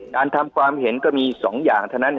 การทำความเห็นก็มี๒อย่างเท่านั้น